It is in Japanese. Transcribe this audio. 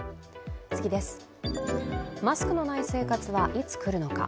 マスクのない生活は、いつ来るのか。